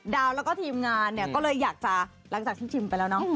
ดาวน์แล้วก็ทีมงานก็เลยอยากจะหลังจากชิมไปแล้วเนอะ